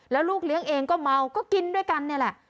แล้วลูกเลี้ยงเองก็เมาก็กินด้วยกันนี่แหละ